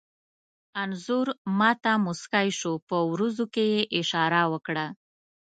انځور ما ته موسکی شو، په وروځو کې یې اشاره وکړه.